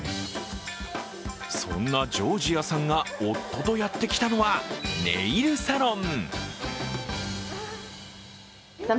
そんなジョージアさんが夫とやってきたのはネイルサロン。